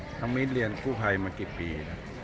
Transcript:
ทำไมเรียนผู้ภัยมากี่ปี